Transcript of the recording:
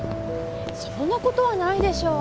そんなことはないでしょう？